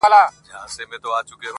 مطربه چي رباب درسره وینم نڅا راسي!.